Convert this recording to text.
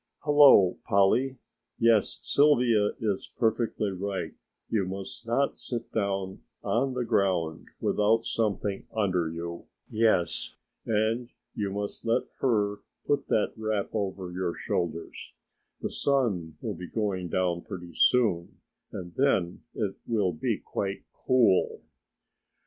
Hello, Polly, yes Sylvia is perfectly right, you must not sit down on the ground without something under you, yes, and you must let her put that wrap over your shoulders, the sun will be going down pretty soon and then it will be quite cool."